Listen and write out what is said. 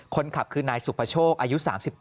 คนขับคือนายสุภโชคอายุ๓๘